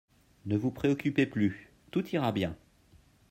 Ne vous préoccupez plus. Tout ira bien.